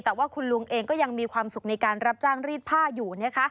แต่ว่าคุณลุงเองก็ยังมีความสุขในการรับจ้างรีดผ้าอยู่